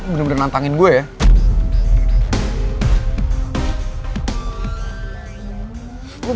bener bener nantangin gue ya